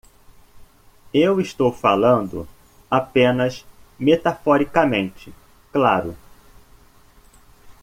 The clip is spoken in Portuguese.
Eu estou falando apenas metaforicamente, claro.